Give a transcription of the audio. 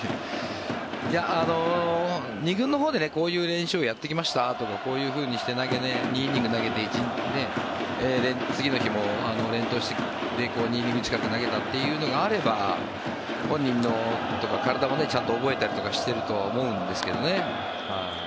２軍のほうで、こういう練習をやってきましたとかこういうふうにして２イニング投げて次の日も連投して２イニング近く投げたというのがあれば本人の体もちゃんと覚えたりとかしていると思うんですけどね。